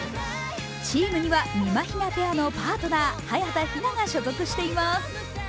チームにはみまひなペアのパートナー、早田ひなが所属しています。